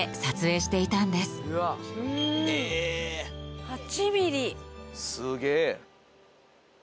すげえ。